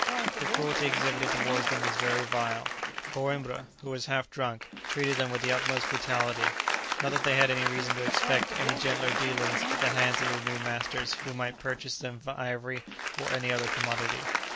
The cruelty exhibited towards them was very vile. Coïmbra, who was half drunk, treated them with the utmost brutality; not that they had any reason to expect any gentler dealings at the hands of the new masters who might purchase them for ivory or any other commodity.